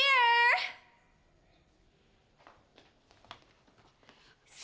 yes siap siap siap